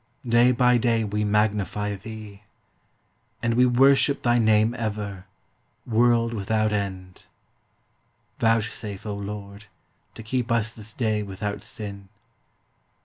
Day by day we magnify thee; And we worship thy Name ever, world without end. Vouchsafe, O Lord, to keep us this day without sin.